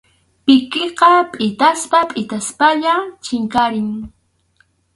Pikiqa pʼitaspa pʼitaspalla chinkarin.